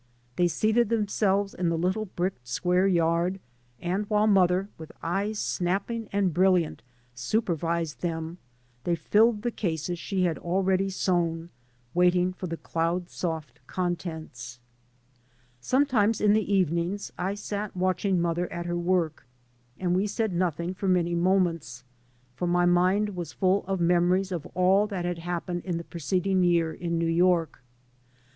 They seated themselves in the little bricked square yard, and while mother, with eyes snapping and brilliant, supervised them, they filled the cases she had already sewn, waiting for the cloud soft contents. 3 by Google MY MOTHER AND I Sometimes m the evenings 1 sat watching mother at her work, and we said nothing for many moments, for my mind was full of mem ories of all that had happened in the preced ing year in New York.